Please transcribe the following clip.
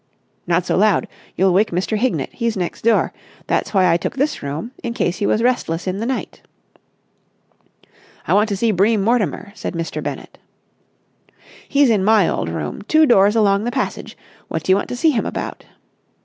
"Not so loud! You'll wake Mr. Hignett. He's next door. That's why I took this room, in case he was restless in the night." "I want to see Bream Mortimer," said Mr. Bennett. "He's in my old room, two doors along the passage. What do you want to see him about?"